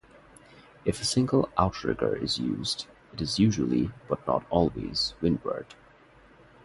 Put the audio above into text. If a single outrigger is used it is usually but not always windward.